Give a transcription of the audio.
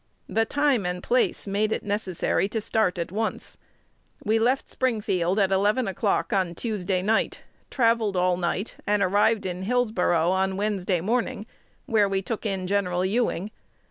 The time and place made it necessary to start at once. We left Springfield at eleven o'clock on Tuesday night, travelled all night, and arrived in Hillsborough on Wednesday morning, where we took in Gen. Ewing.